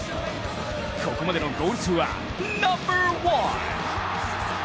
ここまでのゴール数はナンバーワン。